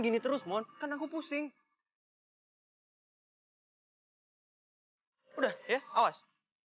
gini terus mon aku pusing udah ya awas